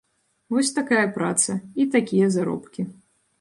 Вось такая праца і такія заробкі.